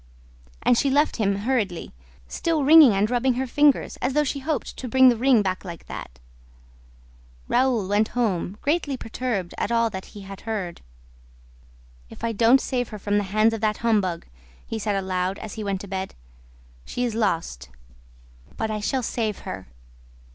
And she left him hurriedly, still wringing and rubbing her fingers, as though she hoped to bring the ring back like that. Raoul went home, greatly perturbed at all that he had heard. [Illustration: They Sat Like that for a Moment in Silence] "If I don't save her from the hands of that humbug," he said, aloud, as he went to bed, "she is lost. But I shall save her."